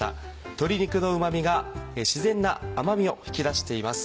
鶏肉のうまみが自然な甘みを引き出しています。